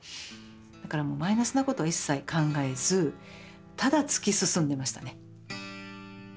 だからもうマイナスなことは一切考えずただ突き進んでましたね。